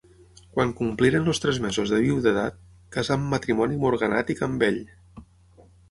Quan compliren els tres mesos de viudetat, casà amb matrimoni morganàtic amb ell.